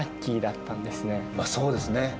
まあそうですね。